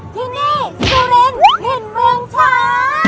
ที่นี่สุรินถิ่นเมืองช้า